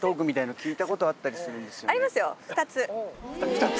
２つ？